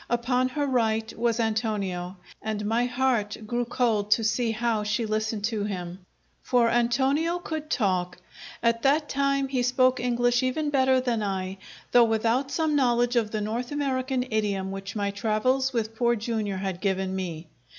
Upon her right was Antonio, and my heart grew cold to see how she listened to him. For Antonio could talk. At that time he spoke English even better than I, though without some knowledge of the North American idiom which my travels with Poor Jr. had given me.